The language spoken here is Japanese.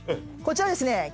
こちらですね